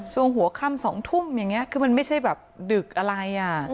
ช่วงหัวค่ำ๒ทุ่มอย่างนี้คือมันไม่ใช่แบบดึกอะไรอ่ะ